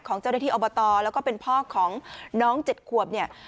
ของเจ้า๐๖แล้วก็เป็นพ่อของน้อง๗ขวบเนี้ย